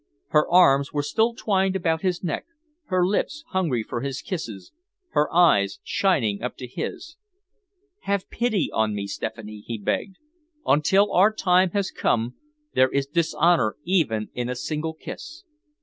Her arms were still twined about his neck, her lips hungry for his kisses, her eyes shining up into his. "Have pity on me, Stephanie," he begged. "Until our time has come there is dishonour even in a single kiss.